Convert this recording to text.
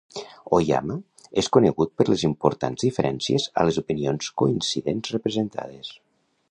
"Oyama" és conegut per les importants diferències a les opinions coincidents representades.